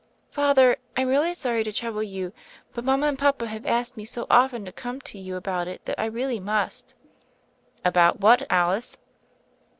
"Father, I'm really sorry to trouble you, but mama and papa have asked me so often to come to you about it that I really must." "About what, Alice